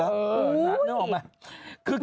นึกออกไหม